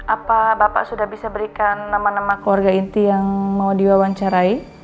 apa bapak sudah bisa berikan nama nama keluarga inti yang mau diwawancarai